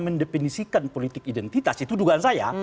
mendefinisikan politik identitas itu dugaan saya